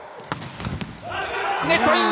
ネットイン。